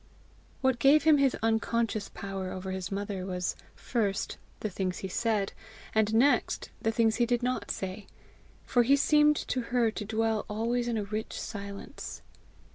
What gave him his unconscious power over his mother, was, first, the things he said, and next, the things he did not say; for he seemed to her to dwell always in a rich silence.